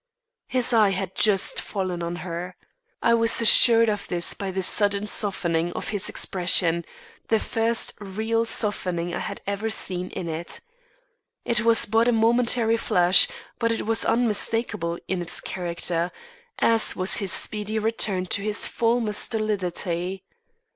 His eye had just fallen on her. I was assured of this by the sudden softening of his expression the first real softening I had ever seen in it. It was but a momentary flash, but it was unmistakable in its character, as was his speedy return to his former stolidity.